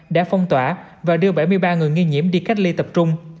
đã phong tỏa và đưa bảy mươi ba người nghi nhiễm đi cách ly tập trung